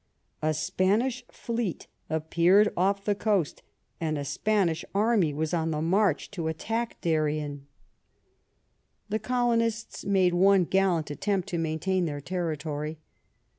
A Spanish fleet appeared off the coast, and a Spanish army was on the march to attack Darien. 167 / THE REIGN OF QUEEN ANNE The colonists made one gallant attempt to maintain their territory.